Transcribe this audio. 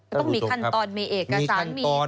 ต้องมีคันตอนมีเอกสารมีทุกอย่างให้ถูกต้อง